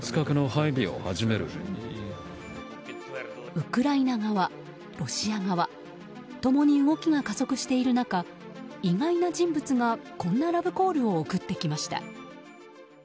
ウクライナ側、ロシア側共に動きが加速している中意外な人物がこんなラブコールを送ってきました。